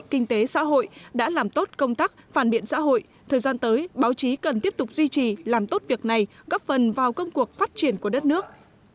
kinh tế xã hội đã làm tốt công tác phản biện xã hội thời gian tới báo chí cần tiếp tục duy trì làm tốt việc này góp phần vào công cuộc phát triển của đất nước